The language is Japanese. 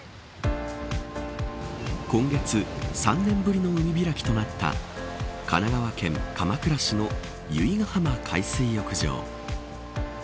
今月３年ぶりの海開きとなった神奈川県鎌倉市の由比ガ浜海水浴場。